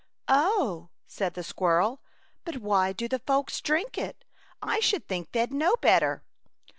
"Oh! "said the squirrel, "but why do the folks drink it? I should think they'd know better."